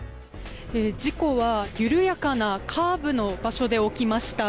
事故は緩やかなカーブの場所で起きました。